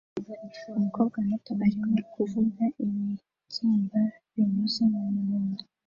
Umukobwa muto arimo kuvuza ibibyimba binyuze mumuhondo